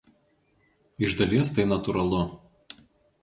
Iš dalies tai natūralu.